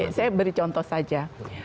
saya beri contoh saja